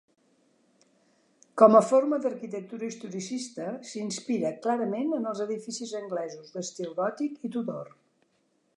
Com a forma d'arquitectura historicista, s'inspira clarament en els edificis anglesos d'estil gòtic i Tudor.